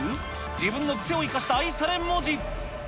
自分の癖を生かした愛され文字。